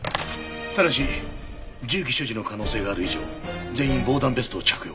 ただし銃器所持の可能性がある以上全員防弾ベストを着用。